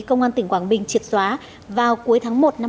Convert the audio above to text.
công an tỉnh quảng bình triệt xóa vào cuối tháng một năm hai nghìn hai mươi